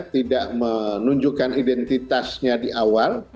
tidak menunjukkan identitasnya di awal